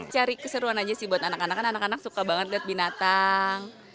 cari keseruan aja sih buat anak anak kan anak anak suka banget lihat binatang